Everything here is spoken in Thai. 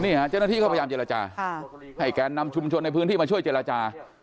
เจ้าหน้าที่เขาพยายามเจรจาให้แกนนำชุมชนในพื้นที่มาช่วยเจรจา